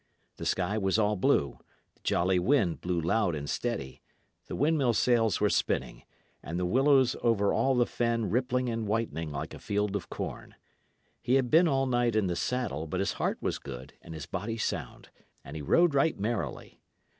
The sky was all blue; the jolly wind blew loud and steady; the windmill sails were spinning; and the willows over all the fen rippling and whitening like a field of corn. He had been all night in the saddle, but his heart was good and his body sound, and he rode right merrily.